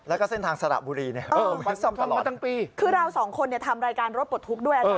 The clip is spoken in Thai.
แล้วก็เส้นทางสระบุรีมันซ่อมตลอดคือเราสองคนทำรายการรถปลดทุกด้วย